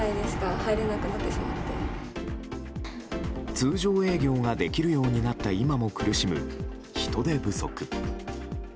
通常営業ができるようになった今も苦しむ人手不足。